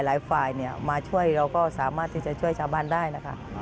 หลายฝ่ายมาช่วยเราก็สามารถที่จะช่วยชาวบ้านได้นะคะ